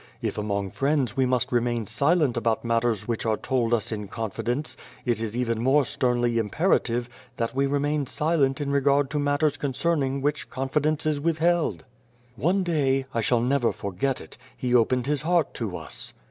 If among friends we must remain silent about matters which are told us in confi dence, it is even more sternly imperative that we remain silent in regard to matters concern ing which confidence is withheld. " One day (I shall never forget it) he opened his heart to us.